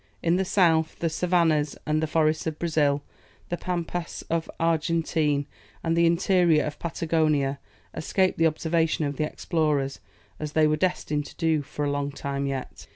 In the south, the savannahs and the forests of Brazil, the pampas of the Argentine, and the interior of Patagonia, escaped the observation of the explorers, as they were destined to do for a long time yet.